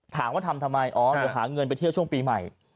ถามว่าทำทำไมอ๋อเดี๋ยวหาเงินไปเที่ยวช่วงปีใหม่